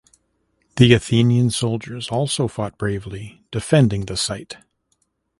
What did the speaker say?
The Athenian soldiers also fought bravely, defending the site.